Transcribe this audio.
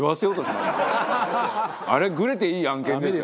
あれグレていい案件ですよ。